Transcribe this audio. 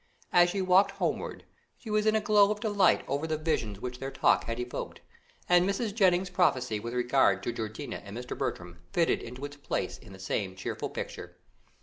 As she walked homewards, she was in a glow of delight over the visions which their talk had evoked, and Mrs. Jennings's prophecy with regard to Georgiana and Mr. Bertram fitted into its place in the same cheerful picture.